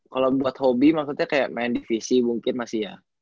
kalau buat hobi maksudnya kayak main divisi mungkin masih ya